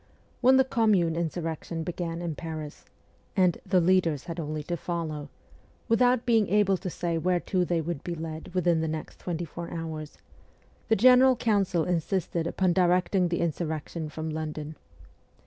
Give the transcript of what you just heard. When the Commune insurrection began in Paris and ' the leaders had only to follow,' without being able to say whereto they would be led within the next twenty four hours the general FIRST JOURNEY ABROAD 67 council insisted upon directing the insurrection from London.